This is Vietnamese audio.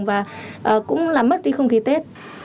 và cũng làm mất đi không khí tết